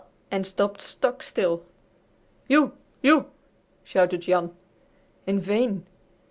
and stopped stock still. "U U!" shouted Jan. In vain!